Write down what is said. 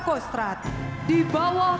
kostrad di bawah